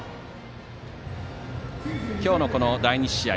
今日の第２試合